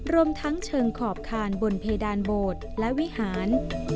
รวมทั้งเชิงขอบคานบนเพดานโบสถ์และวิหาร